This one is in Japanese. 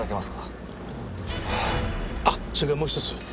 あっそれからもう一つ。